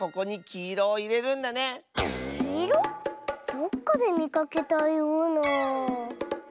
どっかでみかけたような。